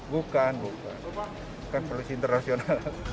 bukan bukan polisi internasional